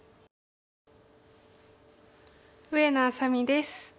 上野愛咲美です。